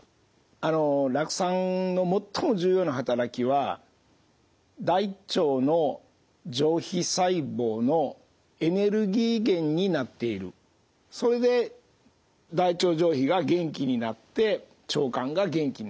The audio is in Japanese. あの酪酸の最も重要な働きは大腸の上皮細胞のエネルギー源になっているそれで大腸上皮が元気になって腸管が元気になる。